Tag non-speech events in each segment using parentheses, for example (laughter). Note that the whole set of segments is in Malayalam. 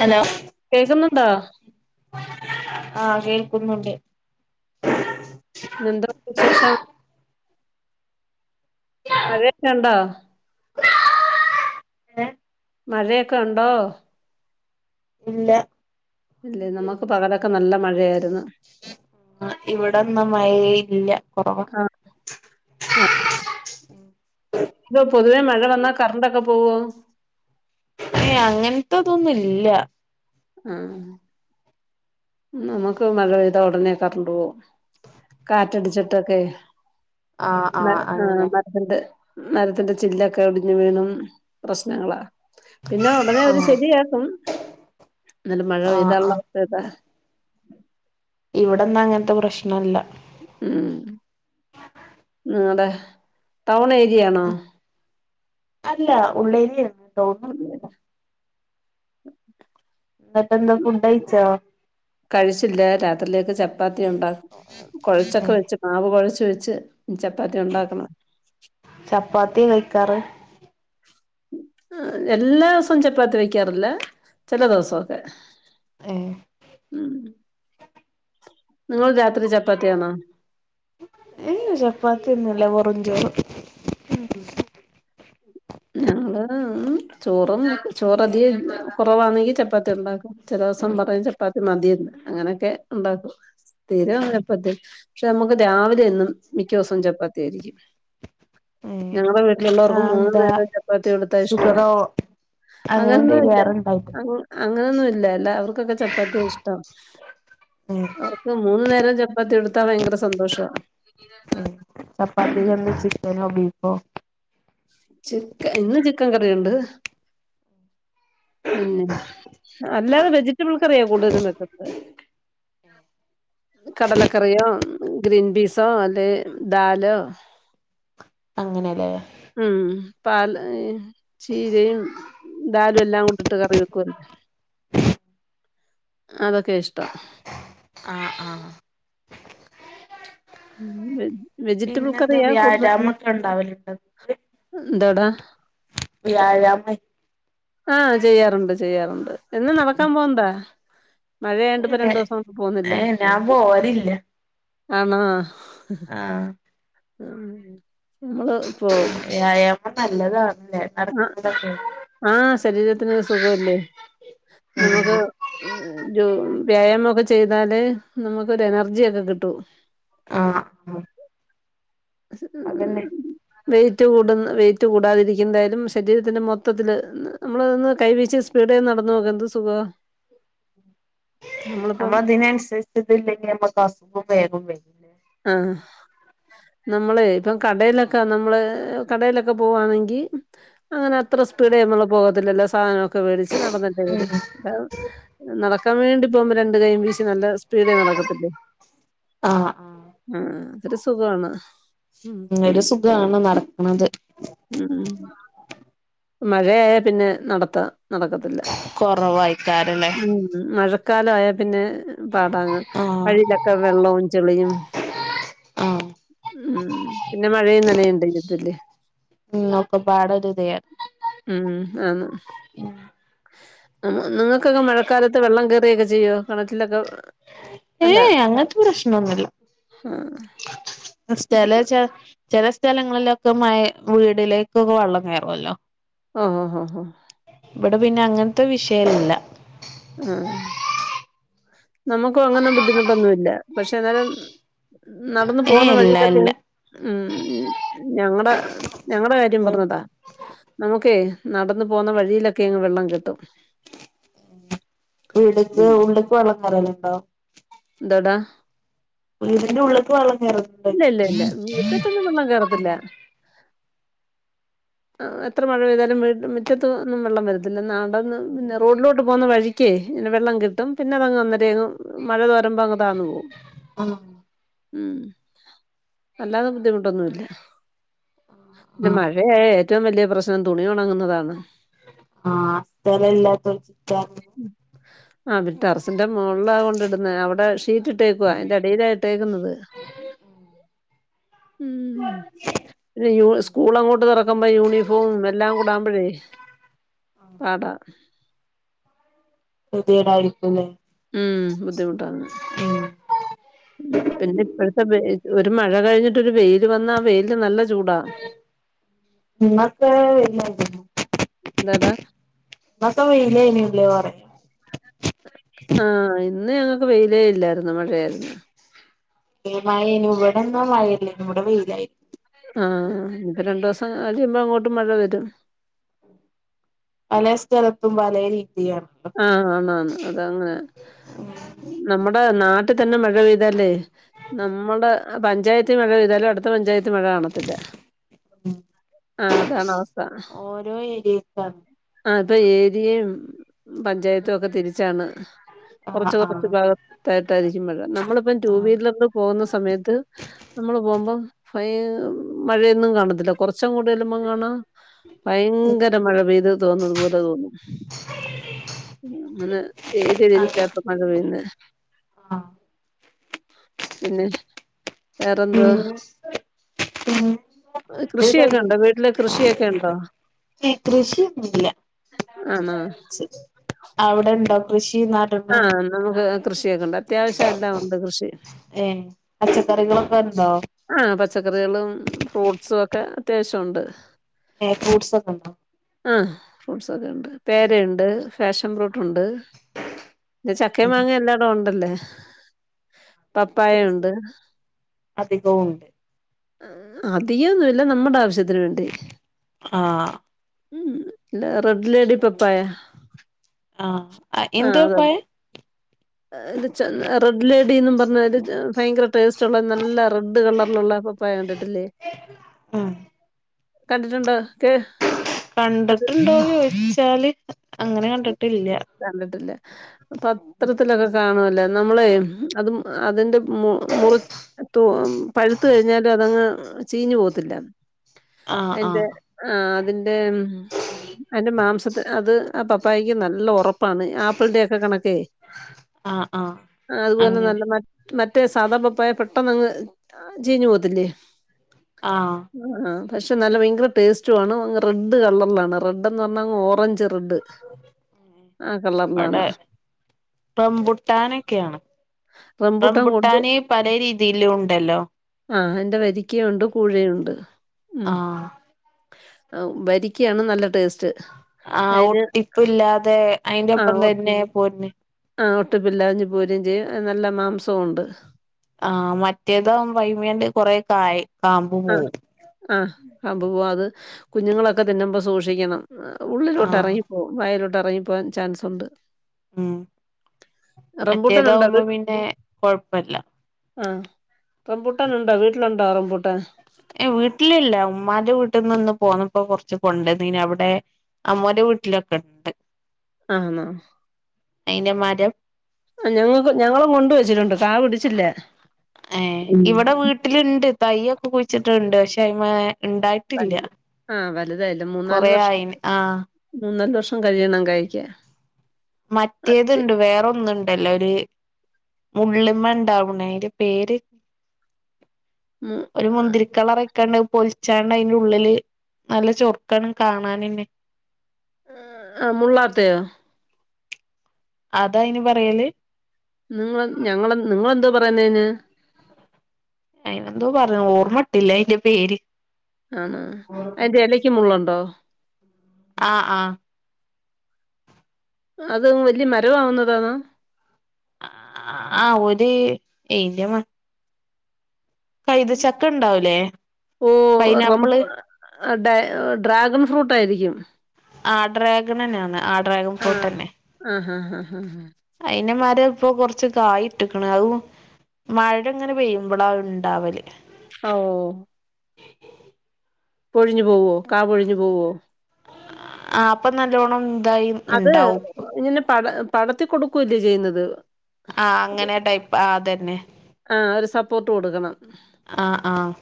ഹലോ കേക്കുന്നുണ്ടോ ആഹ കേൾക്കുന്നുണ്ട് എന്താ വിശേഷം മഴയൊക്കെ ഉണ്ടോ ഉഏ മഴയൊക്കെ ഉണ്ടോ ഇല്ല ഇല്ലെ നമുക്ക് പകലൊക്കെ നല്ല മഴയായിരുന്നു ഇവിടൊന്നും മഴ ഇല്ല കുറവ് ആ ആ ഇവിടെ വന്നാ കറണ്ടൊക്കെ പോവോ ഏ അങ്ങനത്തെതൊന്നുംല്ല ആഹ നമ്മുക്ക് മഴെയ്ത ഉടനെ കറണ്ടു പോകും കാറ്റടിച്ചിട്ടൊക്കെ ആഹ് ആഹ് അങ്ങനെ (unintelligible) നരത്തിന്റെ ചില്ലൊക്കെ ഒടിഞ്ഞഞ് വീണും പ്രശ്നങ്ങളാ പിന്നെ ഉടനെ ഒരു ആഹ് ശരിയാക്കും നല്ല മഴ ആഹ് പെയ്താനുള്ള ആഹ് അവസ്ഥ താ ഇവിടന്നും അങ്ങനത്തെ പ്രശ്നല്ല ഉം ഉ അതെ ടൗണ യാണോ അല്ല ഉള്ളേരി (unintelligible) എന്നിട്ട എന്താ ഫുഡ് അയിച്ചോ കഴിച്ചില്ല രാത്രിേക്ക്െ ചപ്പ (unintelligible) കൊഴച്ചൊക്കെ ഏഹ് വെച്ച് മാവ് കുഴ (unintelligible) ചപ്പാത്തി ഉണ്ടാക്കണം ക്കറ് എല്ലാ ദിവസവും ചപ്പാത്തി വെക്കാറില്ല ചില ദിവസൊക്കെ ഏഹ് ഉം നിങ്ങൾ രാത്രി ചപ്പാത്തിയാണോ ഏ ചപ്പാത്തിയ ഒന്നുംല്ല വെറുംചോറ് ഉ ഞങ്ങള് ചോറും ചോറധികം കുറവാണെങ്കി ചപ്പാത്തി ഉണ്ടാക്കും ചില ദിവസം പറയാ ചപ്പാത്തി മതിയന്ന് അങ്ങനെയൊക്കെ ഉണ്ടാക്കും (unintelligible) ചപ്പാത്തി പക്ഷെ നമുക്ക് രാവിലെ എന്നും മിക്ക ദിവസവും ചപ്പാത്തി ആയിരിക്കും ഏഹ് ഞങ്ങള് (unintelligible) ആഹ് മൂന്ന എന്താ നേരം ചപ്പാത്തി കൊടുത്താ ഇഷ്ട ഷുഗറോ അങ്ങനെ എന്തെലും അങ്ങനൊന്നല്ല ഏറെ ഇണ്ടായിട്ട് അങ്ങനൊന്നുംല്ലല്ല അവർക്കൊക്കെ ചപ്പാത്തി ഇഷ്ട ഉം അവർക്ക് മൂന്ന നേര (unintelligible) ഭയങ്കര സന്തോഷം ഉം ഉം ഉം ചപ്പാത്തിക്കെന്താ (unintelligible) ബീഫോ ചിക്ക ഇന്ന് ചിക്കൻ കറിയുണ്ട് പിന്നെ അല്ലാതെ വെജിറ്റബിൾ കറിയോ കൂടുതലും വെക്കുന്നത് കടലക്കറിയോ ഗ്രീൻ പീസോ അല്ലെ ദാലോ അങ്ങനെയല്ലേ ഉം പാൽ ചീരയും ദാലും എല്ലാം കൊണ്ടിട്ട് കറി വെക്കുംല്ല അതൊക്കെ ഇഷ്ടം ആഹ് ആഹ് (unintelligible) കറിയാ കൂടുതലും പിന്നെന്താവ്യാഴാമക്കെണ്ടാവൽണ്ടോ എന്താടാ വ്യാഴാമെ ആഹ് ചെയ്യാറുണ്ട് ചെയ്യാറുണ്ട് എന്നും നടകാപോവണ്ടോ എട് ഏ ഞാൻ പോവലില്ല ആണോ ആ ഉം മ്മള് പോ നല്ലതാ അ ആ ശരീരത്തിന് സുഖല്ലേ നമുക്ക് ആഹ് രു വ്യായാമൊക്കെ ചെയ്താല് നമക്കൊരു എനർജൊകെകിട്ടും ആ ഉം വെയ്റ്റ് കൂടുന്നതും വെയ്റ്റ് കൂടാതിരികുന്നേലും ശരീരതിന് മൊത്തതില് നമ്മളൊന്ന് കൈവെച്ചു സ്പീഡെ നടന്ന് നോക എന്ത് സുഖാ നമ്മളതിന ൻസരിച് ട്ട്ല്ലേൽ നമ്മകസുഖും വരും ആഹ് നമ്മള് ഇപ്പംകടയിലൊകെ നമ്മള് കടയിലൊകെ പോവാണെങ്കിൽ അങ്ങനെ അത്റ സ്പീഡേൽ പോവതില്ലല്ലോ സാധനം വലിച് നടന്ന്ട്ടേ ഒരു ഉം താ കമേണ്ട് ഇപംരണ്ട് കൈവീശിനല്ല സ്പീഡിൽ നടക്കത്തില്ലേ ആഹ് ആഹ് മ് ഒരു സുഖാണ് ഒരു സുഖാണ് നട്ക്ണത് ഉം മഴയായ പിന്നെ നടത്താ നടക്കത്തില്ല കൊറവായിക്കാരല്ലേ ഉംമഴ കാലായൽ പിന്നെ ക പാടാണ് ആഹ് വഴിയിലൊക്കെ വെള്ളും ചെളിയും ആഹ് ഉം പിന്നെ മഴയും നനയണ്ടതില്ലേ ഉം ഒക്കെപാടൊര് ഉം ആന്ന് ഉം നിങ്ങകൊകെ മഴകാലത് വെള്ളം കയറിയൊകൊ ചെയ്യോ കിണറ്റിലൊകെ ഏ ഏഅങ്ങന് തെ പ്രശ്നൊന്നുല്ല സ്ഥലേചാ ചെല സ്ഥലങ്ങളിലൊകെ മഴ വീടിലേകൊകെ വെള്ളം കയറല്ലോ ഓഹോ ഹോ ഹോ പിന്നെ അങ്ങന് തെ വിഷയൊന്നുല്ല മ്മ് നമ്മകും അങ്ങനെ ബുദ്ധിമുട്ടൊന്നുല്യ പശെ ന്നാലും നടന്നു ഏ പോകുന്ന ഇല്ല വഴിയിലൊക്കെ ഇല്ല ഉം ഞങ്ങടെ ഞങ്ങടെ കാര്യം പറഞ്ഞതാ നമുക്കേ നടന്നു പോവുന്ന വഴിയിലൊക്കെങ്ങ് വെള്ളം കെട്ടും വീടക്ക് ഉള്ളക്ക് വെള്ളം കേറലൊണ്ടോ ഡട പുനീത്തിന്റെ ഉള്ളക്ക് വെള്ള ഇല്ല ഇല്ല ഇല്ല മുറ്റത്തൊന്നും വെള്ളം കേറത്തില്ല എത്ര മഴ പെയ്താലും മുറ്റത്ത ഒന്നും വെള്ളം വരത്തില്ല എന്ന അന്ന് റോഡിലോട്ട് പോകുന്ന വഴി കെ വെള്ളം കിട്ടും പിന്നെ അതങ്ങ് അന്നേരഅങ്ങ് മഴ മ്പ അങ്ങ് താന്നുപോവും ആഹ് ഉം അല്ലാതെ ബുദ്ധിമുട്ടൊന്നുമില്ല ആഹ് മഴയായ ഏറ്റോം വലിയ പ്രശ്നം തുണി ഉണങ്ങുന്നതാണ് ആഹ് സ്ഥലല്ലാത്ത ചിറ്റ ആ ബട്ട് അറസിന്റമ് മോൾള കൊണ്ടിടുന്ന അവിടെ ഷീറ്റ് ഇട്ടേക്കുവ അതിന്റെ അടിയിലാ ഇട്ടേക്കുന്നത് ഉം പിന്നെ യ സ്കൂള അങ്ങോട്ട് തുറക്കുമ്പോ യൂണിഫോം എല്ലാം കൂടാകുമ്പോഴേ പാട പ്രതെടായിരിക്കല്ലേ ഉം ബുദ്ധിമുട്ടാന്ന് പിന്നെ ഇപ്പഴത്തെ ഒരു മഴ കഴിഞ്ഞിട്ട് ഒരു വെയിൽ വന്ന ആ വെയിലിനു നല്ല ചൂടാ. നിങ്ങക്ക വല്ല (unintelligible) ദതാ മസമ ഇല്ലേനിള്ളേ വരെ ആഹ് ഇന്ന് ഞങ്ങൾക്ക് വെയിലേ ഇല്ലായിരുന്നു മഴയായിരുന്നു മഴേനു ഇവിടെന്നും മയല്ലേനും ഇവിടെ വെയിലായിന്നു ആഹ് ഇപ്പ രണ്ട ദിവസ ആ അത് ചെയുമ്പോ അങ്ങോട്ട് മഴ വരും അലേ സ്റ്റല്ലത്തുമ്പഅലേരി ആഹ് ആ ആന്ന് ആന്ന് അതന്നെ നമ്മടെ നാട്ട ഇപ്പൊത്തന്നെ മഴ പെയ്തലെ നമ്മുടെ പഞ്ചായത്തിൽ മഴ പെയ്താലോ അടുത്ത പഞ്ചായ (unintelligible) മഴ കാണത്തില്ല ഉം ആ അതാണ് അവസ്ഥ ഓരോ ഏരിയക്കാണ് (unintelligible) ഇപ്പൊ ഏതിയും പഞ്ചായത്തൊക്കെ തിരിച്ചാണ് ആഹ് കൊറച്ച് കൊറച്ച് (unintelligible) ആഹ് ഭാഗത്തായിട്ടായിരിക്ക ജിമള നമ്മളിപ്പം ടൂ ആഹ് വീലറിൽ പോകുന്ന സമയത്ത് നമ്മള് പോകുമ്പോ പയ മഴയൊന്നും കാണത്തില്ല കുറച്ച് (unintelligible) കൊറച്ചും കൂടിയല്ലുമ്പോ കാണാ ഭയങ്കര മഴ പെയ്ത് തോന്നുന്നത് പോലെ തോന്നും (inaudible) അതെ ആഹ് പിന്നെ വേറെന്ത പിന്നെ പിന്നെ ഫുഡ് കൃഷിയൊക്കെ ഉണ്ടോ കഴി വീട്ടില് കൃഷിയൊക്കെ കൃഷിയൊന്നുല്ല ഉണ്ടോ--ആണോ അവിടെണ്ടോക് (unintelligible) ആഹ നമക്ക് ണ്ട് അത്യാവശ്യം എല്ലാംണ്ട് കൃഷി ഏഹ് പച്ചക്കറികളൊക്കെ ഉണ്ടോ ആ പച്ചക്കറികളും ഫ്രൂട്ട്സും ഒക്കെ അത്യാവശ്യം ഉണ്ട് ഏഹ് ഫ്രൂട്ട്സ് ഒക്കെ ഉണ്ടോ ആ ഫ്രൂസ് (unintelligible) (unintelligible) പേരയുണ്ട് പാഷൻ ബ്രൂട്ടുണ്ട് ചക്കേം മാങ്ങേം എല്ലാടും ഉണ്ട് ല്ലേ (inaudible) പപ്പായയുണ്ട് അധികവും ഉണ്ട് (unintelligible) അധികയൊന്നുല്ല നമ്മുടെ ആവശ്യത്തി അതിനുവേണ്ടി ആഹ് ഉം ഇല്ല റെഡ് ലേഡി പപ്പായ - - ആഹ ആ (unintelligible) ഇന്ത പോ ഇത് റെഡ് ലേഡിന്നും പറഞ്ഞല് ഭയങ്കര ടേസ്റ്റുള്ള നല്ല റെഡ് കളറിലുള്ള പപ്പായ കണ്ടിട്ടില്ലേ കണ്ടിട്ടുണ്ട് കണ്ടിട്ടുണ്ടോ ന്ന് ചോയ്ച് ച്ചാൽ അങ്ങനെ കണ്ടിട്ടില്ല കണ്ടിട്ടില്ല പത്രത്തിലൊക്കെ കാണുവല്ലേ നമ്മളെ അതും അതിന്റെ മു മുറിച്ച തു പഴുത്ത് കഴിഞ്ഞാൽ അതങ്ങ് ചീഞ്ഞു പോത്തില്ല ആഹ് എന്റെ ആഹ് ആഹ എം അന്റെ മാംസത്തെ അത് ആ പപ്പായക്ക് നല്ല ഉറപ്പ ഉപ്പാണ് ആപ്പിളിന്റെ ഒക്കെ കണക്കെ ആഹ് ആഹ് അതുപോലെ അങ്ങനെ നല്ല മ മറ്റേ സാദാ പപ്പായ പെട്ടെന്ന് അങ് ജീഞ്ഞു പോത്തില്ലേ ആഹ് ആ പക്ഷെ നല്ല ഭയങ്കര ടേസ്റ്റു ആ അങ് റെഡ് കളറിലാണ് റെഡ് എന്ന് പറഞ്ഞാങ് ഓറഞ്ച് റെഡ് ആ കളറിലാണ് ഇടെ റംബുട്ടാനൊക്കെയാണ് റംബൂട്ടാൻ കൊണ്ട് റംബുട്ടാന് പല രീതിയിലും ഉ എല്ലോ ആഹ് എന്റെ വരിക്കയുണ്ട് കൂഴയുണ്ട് ഉമ് ആഹ് വരിക്കയാണ് നല്ല ടേസ്റ്റ് ആഹ അതിന് ഒട്ടിപ്പ ഇല്ലാതെ അയിന്റെ ഒപ്പം തന്നെ പോന്നെ മുട്ട്പ്പില്ലാഞ്ഞ പൂരയും ചെയ്യ നല്ല മാംസവും ഉണ്ട് ആ മറ്റേതാ വൈ വേണ്ട് കുറേക്കായ് ആ ആ അ അബപത് കുഞ്ഞുങ്ങളൊക്കെ തിന്നുപ സൂക്ഷച്ച ചെയ്യണം ഉള്ളിലോട്ട് ആഹ് ഇറങ്ങിപ്പോകും വയലോട്ട് ഇറങ്ങി പോവാൻ ചാൻസ് ഉണ്ട് ഉം റംബൂട്ടാൻ ഉണ്ടോ മറ്റേതകുമ്പോ പിന്നെ കൊഴപ്പല്ല ആഹ റംപുട്ടന ഉണ്ടോ വീട്ടിലുണ്ടോ റംപുട്ടൻ വീട്ടിലില്ല ഉമ്മാന്റെ വീട്ടിൽ നിന്നും പോന്നപ്പോ കൊറച്ച് കൊണ്ട്ന്നന അവിടെ അമ്മടെ വീട്ടിലൊക്കെ ഉണ്ട് ആന്ന അയിന്റെമാരം ആ ഞങ്ങക്ക് ഞങ്ങളും കൊണ്ട് വെച്ചിട്ടുണ്ട് ക പിടിച്ചില്ലേ ഏ ഇവിടെ വീട്ടിലുണ്ട് തയ്യൊക്കെ കുഴിച്ചിട്ടുണ്ട് പക്ഷെ് ഷൈമേ വലു ആഹ് വലുതായില്ല മൂന്നാല് കൊറേ വർഷം ആയിന് ആഹ് മൂന്നാല് വർ (unintelligible) കഴിയണം കഴിക്കൻ മറ്റേതുണ്ട് വേറെന്നും ഇണ്ടല്ലോ ര് മുള്ളമ്മ ഉണ്ടാവുന്ന അന്റെ പേര് ഒരു മുന്തിരി കളർ ണ്ട് പൊലിച്ചാണ്ട് അതിന്റെ ഉള്ളില് നല്ല ചൊറുക്കാണ് കാണാനന്നെ ആ ആ മുള്ളാത്തയോ അതാ അയിന് പറയല് നിങ്ങള ഞങ്ങ നിങ്ങളെന്തോ പറയുന്നേന് അയിന് എന്തോ പറഞ്ഞു ഓർമ്മട്ടില്ല അതിന്റെ പേര് ആ അതിന്റെ ഇലക്ക് മുള്ളുണ്ടോ ആ ആ അത് വലിയ മരമാവുന്നതാന്നോ ആ ഒരു (unintelligible) കൈത ചക്ക ഉണ്ടാവൂലേ ഓ റം പൈനാപ്പിള് ഡ്രാഗൺ ഫ്രൂട്ട് ആയിരിക്കും ആ ഡ്രാഗണനാണ് ആ ഡ്രാഗൺ ആ ആ ആ ആ ആ അയിനമരം ഇപ്പൊ കൊറച്ച് കായ ഇട്ടേക്ക്ണ് അത് മഴ ഇങ്ങനെ പെയ്യുമ്പോഴാ ഉണ്ടാവല് ഓ പൊഴിഞ്ഞു പോവോ കാ പൊഴിഞ്ഞു പോവോ ആ അപ്പൊ നല്ലോണം ഇതായി അത് ഇണ്ടാവും ഇങ്ങനെ പട പടത്തി കൊടുക്കുവല്ലേ ചെയ്യുന്നത് ആ അങ്ങനെ ടൈപ്പ് ആ അതെ എ ആ ഒരു സപ്പോർട്ട് കൊടുക്കണം ആഹ് ആഹ്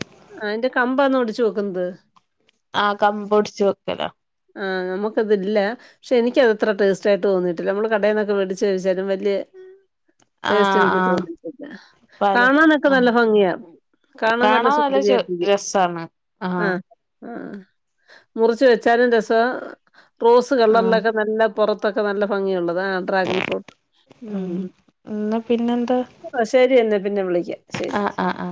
അ അതിന്റെ കമ്പാന്നോ ടിച്ചു നോക്കുന്നത് ആ കമ്പൊടിച്ചു വെക്കല ആ നമുക്കതില്ല പക്ഷെ എനിക്കത് അത്ര ടേസ്റ്റയിട്ട് തോന്നിയിട്ടില്ല നമ്മൾ കടയിൽന്നൊക്കെ വേടിച്ചഴിച്ചാലും വല്യ ടേസ്റ്റ് ആഹ് എനിക്ക് ആഹ് തോന്നീട്ടില്ല പലെ കാണാനൊക്കെ നല്ല ആഹ് ഭംഗിയാ കാണാൻ നല്ല സുന്ദരിയായിട്ടിരിക്കും ആ ആ മുറിച്ച് വെച്ചാലും രസവാ റോസ് ആഹ് കളറിലൊക്കെ നല്ല പുറ ത്തൊക്കെ നല്ല ഭംഗിയുണ്ട് ഡ്ര ഫ്രൂട്ട് ഉം എന്നാ ശെരിയെന്ന പിന്നെ വിളിക്കാം ആ ആ ആ